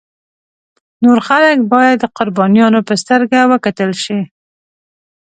نور خلک باید د قربانیانو په سترګه وکتل شي.